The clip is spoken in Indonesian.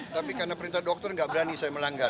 tapi karena perintah dokter nggak berani saya melanggar